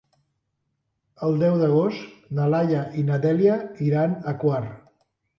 El deu d'agost na Laia i na Dèlia iran a Quart.